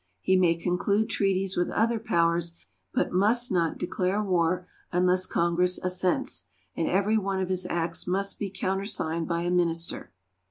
He may conclude treaties with other powers, but must not declare war unless Congress assents, and every one of his acts must be countersigned by a Minister.